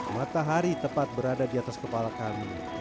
matahari tepat berada di atas kepala kami